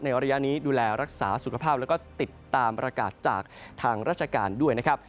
ระยะนี้ดูแลรักษาสุขภาพแล้วก็ติดตามประกาศจากทางราชการด้วยนะครับ